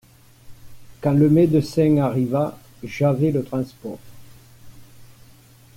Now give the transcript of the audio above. Quand le médecin arriva, j'avais le transport.